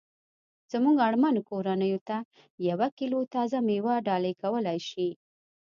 زمونږ اړمنو کورنیوو ته یوه کیلو تازه میوه ډالۍ کولای شي